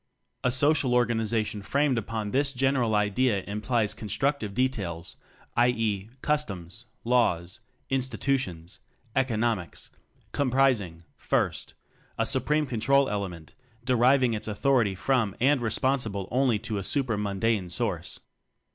A social organization framed upon this general idea implies constructive details, i. e., customs, laws, institutions economics comprising : 1. A Supreme Control element, de riving its authority from and respon sible only to a super mundane source.